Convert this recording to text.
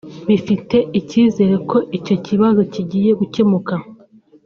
bifite icyizere ko icyo kibazo kigiye gucyemuka